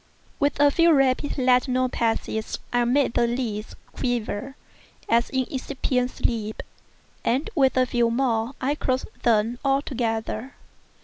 With a few rapid lateral passes I made the lids quiver, as in incipient sleep, and with a few more I closed them altogether.